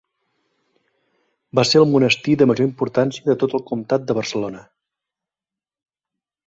Va ser el monestir de major importància de tot el comtat de Barcelona.